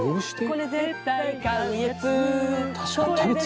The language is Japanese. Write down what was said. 「これ絶対買うやつ！」